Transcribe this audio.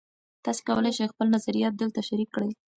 تاسي کولای شئ خپل نظریات دلته شریک کړئ.